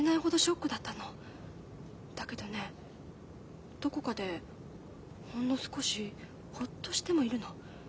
だけどねどこかでほんの少しホッとしてもいるの。